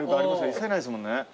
映せないですもんね。